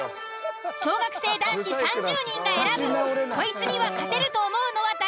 小学生男子３０人が選ぶこいつには勝てると思うのは誰？